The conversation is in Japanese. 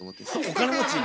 お金持ちに？